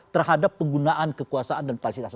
terhadap penggunaan kekuasaan dan fasilitas